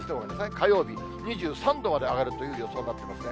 火曜日、２３度まで上がるという予想になってるんですね。